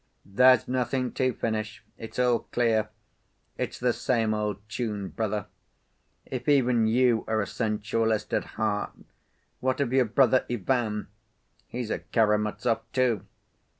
"There's nothing to finish. It's all clear. It's the same old tune, brother. If even you are a sensualist at heart, what of your brother, Ivan? He's a Karamazov, too.